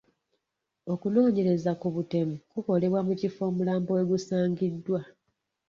Okunoonyeraza ku butemu kukolebwa mu kifo omulambo wegusangiddwa.